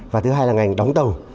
và thứ hai là ngành đóng tàu